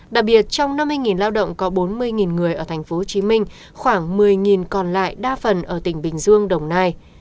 đặc biệt trong năm mươi lao động có bốn mươi người ở tp hcm khoảng một mươi còn lại đa phần ở tỉnh bình dương đồng nai